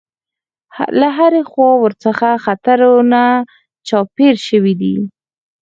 له هرې خوا ورڅخه خطرونه چاپېر شوي دي.